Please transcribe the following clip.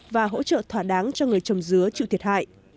và hỗ trợ thỏa đáng cho người trồng dứa chịu thiệt hại